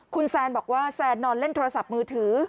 คุณแซนบอกว่าแซนนอนเล่นโทรศัพท์มือถือ